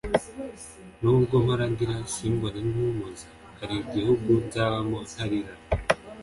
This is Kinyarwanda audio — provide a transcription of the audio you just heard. nubwo mpora ndira simbone numpoza harigihugu nzabamo ntarira